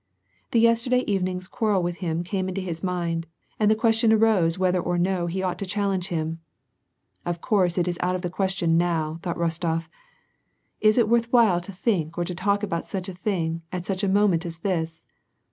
The yesterday evening's quarrel with him came into his mind, and the question arose whether or no he ought to challenge him. " Of course it is out of the question now," thought Rostof. "Is it worth while to think or to talk about such a thing at such a moment as this